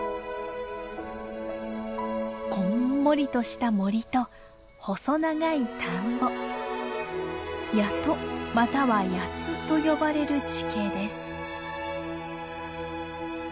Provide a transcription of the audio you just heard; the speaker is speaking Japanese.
こんもりとした森と細長い田んぼ谷戸または谷津と呼ばれる地形です。